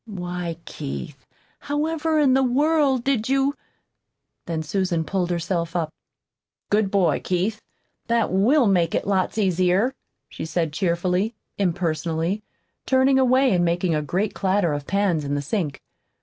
"Why, Keith, however in the world did you " Then Susan pulled herself up. "Good boy, Keith! That WILL make it lots easier," she said cheerfully, impersonally, turning away and making a great clatter of pans in the sink.